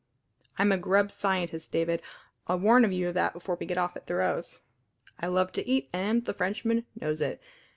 I'm a grub scientist, David. I warn you of that before we get off at Thoreau's. I love to eat, and the Frenchman knows it.